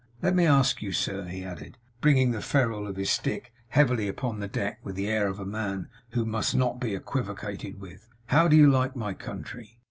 Let me ask you sir,' he added, bringing the ferule of his stick heavily upon the deck with the air of a man who must not be equivocated with, 'how do you like my Country?